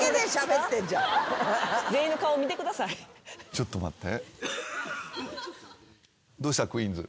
ちょっと待って。